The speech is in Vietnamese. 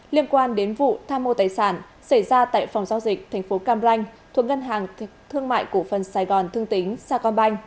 liên quan đến vụ tham mô tài sản xảy ra tại phòng giao dịch tp cam ranh thuộc ngân hàng thương mại cổ phần sài gòn thương tính saigon banh